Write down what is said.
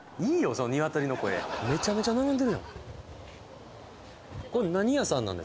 そのニワトリの声めちゃめちゃ並んでるやん